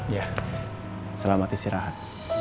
ya selamat istirahat